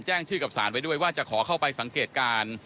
ชื่อกับสารไว้ด้วยว่าจะขอเข้าไปสังเกตการ